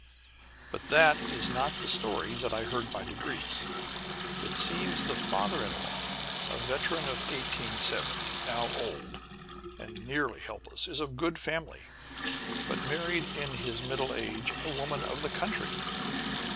But that is not the story. That I heard by degrees. It seems the father in law, a veteran of 1870, now old, and nearly helpless, is of good family, but married, in his middle age, a woman of the country.